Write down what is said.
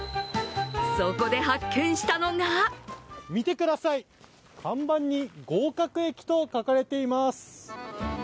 そこで発見したのが見てください、看板に「合格駅」と書かれています。